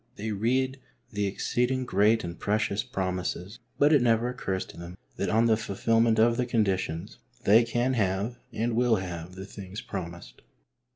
They read the exceeding great and precious promises, but it never occurs to them that on the fulfilment of the conditions they can have and will have the things promised.